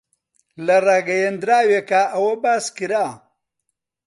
لە ڕاگەیەندراوێکدا ئەوە باس کرا